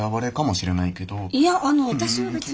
いやあの私は別に。